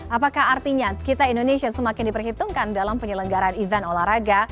apakah artinya kita indonesia semakin diperhitungkan dalam penyelenggaran event olahraga